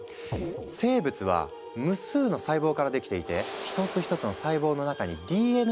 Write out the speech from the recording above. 生物は無数の細胞からできていて１つ１つの細胞の中にＤＮＡが入っているの。